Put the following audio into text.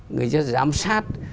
người ta giám sát